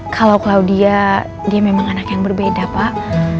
kalau claudia dia memang anak yang berbeda pak